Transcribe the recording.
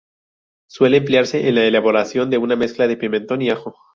Suele emplearse en la elaboración una mezcla de pimentón y ajo.